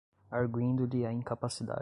arguindo-lhe a incapacidade